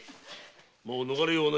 もう逃れようがない。